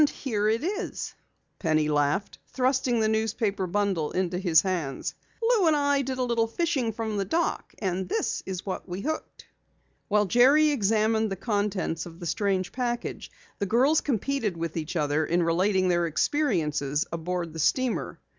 "Here it is," Penny laughed, thrusting the newspaper bundle into his hands. "Lou and I did a little fishing from the dock and this is what we hooked." While Jerry examined the contents of the strange package, the girls competed with each other in relating their experiences aboard the steamer.